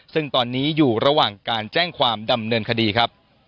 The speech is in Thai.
ซึ่งตอนนี้อยู่ระหว่างการแจ้งความดำเนินคดีครับ